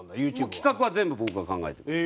企画は全部僕が考えてます。